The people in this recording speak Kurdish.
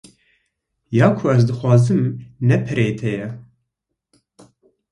Ya ku ez dixwazim ne pereyê te ye.